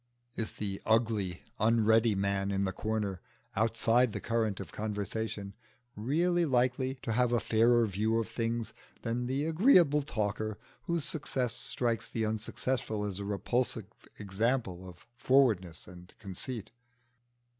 Is the ugly unready man in the corner, outside the current of conversation, really likely to have a fairer view of things than the agreeable talker, whose success strikes the unsuccessful as a repulsive example of forwardness and conceit?